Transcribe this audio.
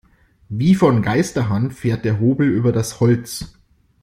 Wie von Geisterhand fährt der Hobel über das Holz.